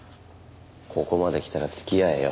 ここまで来たら付き合えよ。